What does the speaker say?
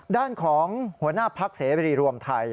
ด้านของหัวหน้าพักเสรีรวมไทย